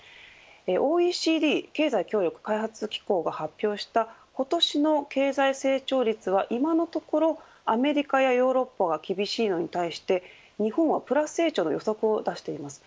ＯＥＣＤ経済協力開発機構が発表した今年の経済成長率は今のところアメリカやヨーロッパが厳しいのに対して日本はプラス成長の予測を出しています。